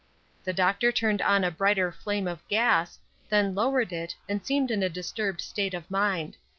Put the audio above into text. The doctor turned on a brighter flame of gas, then lowered it, and seemed in a disturbed state of mind.